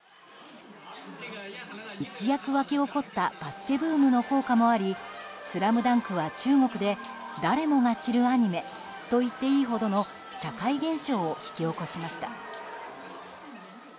一躍沸き起こったバスケブームの効果もあり「ＳＬＡＭＤＵＮＫ」は中国で誰もが知るアニメといっていいほどの社会現象を引き起こしました。